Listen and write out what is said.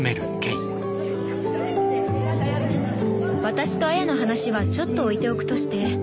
私と杏耶の話はちょっと置いておくとして。